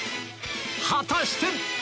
果たして？